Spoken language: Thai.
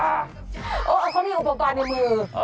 เออเอาของนี้อุปกรณ์ในมือ